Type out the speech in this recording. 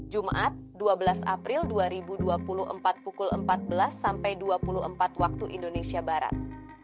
jumat dua belas april dua ribu dua puluh empat pukul empat belas sampai dua puluh empat waktu indonesia barat